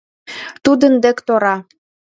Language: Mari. Тудын дек тора.